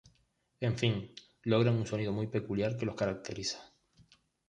En fin, logran un sonido muy peculiar que los caracteriza.